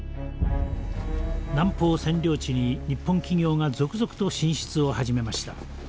南方占領地に日本企業が続々と進出を始めました。